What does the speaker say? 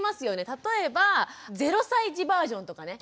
例えば０歳児バージョンとかね。